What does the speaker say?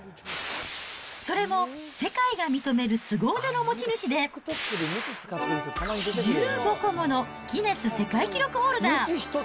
それも、世界が認めるすご腕の持ち主で、１５個ものギネス世界記録ホルダー。